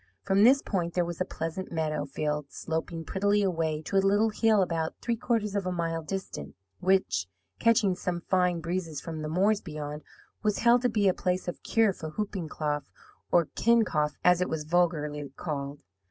From this point there was a pleasant meadow field sloping prettily away to a little hill about three quarters of a mile distant; which, catching some fine breezes from the moors beyond, was held to be a place of cure for whooping cough, or kincough, as it was vulgarly called.